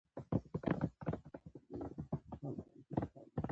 بل مې قسم رښتیا کاوه چې پراګ مې لیدلی یم.